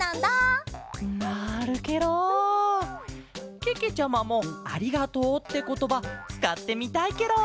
けけちゃまも「ありがとう」ってことばつかってみたいケロ。